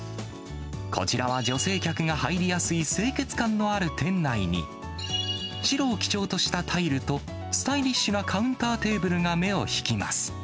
こちらは女性客が入りやすい清潔感のある店内に、白を基調としたタイルとスタイリッシュなカウンターテーブルが目を引きます。